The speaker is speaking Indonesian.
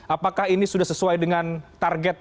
apakah ini sudah sesuai dengan target